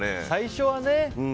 最初はね。